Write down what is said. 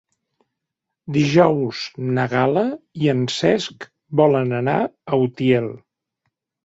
Dijous na Gal·la i en Cesc volen anar a Utiel.